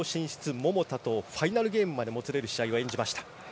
桃田とファイナルゲームまでもつれる試合を演じました。